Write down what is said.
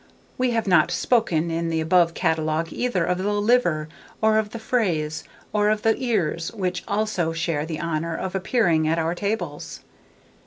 We have not spoken, in the above catalogue, either of the liver, or of the fraise, or of the ears, which also share the honour of appearing at our tables.